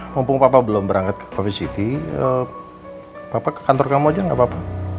mumpung papa belum berangkat ke covid sembilan belas papa ke kantor kamu saja enggak papa